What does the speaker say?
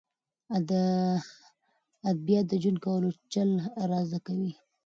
ادبیات د ژوند کولو چل را زده کوي.